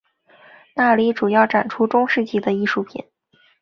那里主要展出中世纪的艺术品。